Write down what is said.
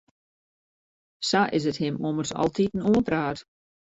Sa is it him ommers altiten oanpraat.